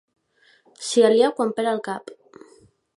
S'hi alia quan perd el cap.